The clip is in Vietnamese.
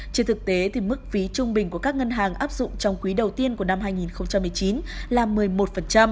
trên thực tế mức phí trung bình của các ngân hàng áp dụng trong quý đầu tiên của năm hai nghìn một mươi chín là một mươi một